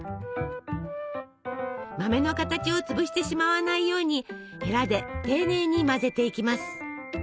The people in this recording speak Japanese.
豆の形を潰してしまわないようにヘラで丁寧に混ぜていきます。